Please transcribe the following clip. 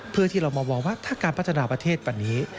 เพื่อที่เรามามองว่าถ้าการพัฒนาประเทศวันนี้